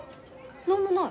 何もない。